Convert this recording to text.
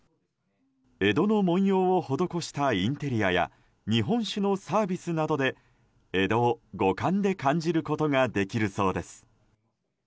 江戸の文様を施したインテリアや日本酒のサービスなどで江戸を五感で感じることができるそうです。